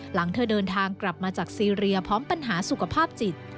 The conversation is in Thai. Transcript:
หลังเธอเดินทางกลับมาจากซีเรียพร้อมปัญหาสุขภาพจิต